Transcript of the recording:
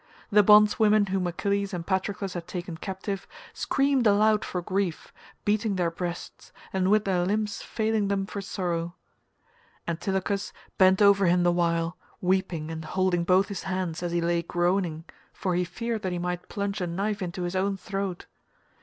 The bondswomen whom Achilles and Patroclus had taken captive screamed aloud for grief, beating their breasts, and with their limbs failing them for sorrow. Antilochus bent over him the while, weeping and holding both his hands as he lay groaning for he feared that he might plunge a knife into his own throat.